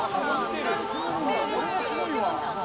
これはすごいわ。